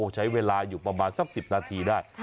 ใช้เวลาอยู่ประมาณสัก๑๐นาทีได้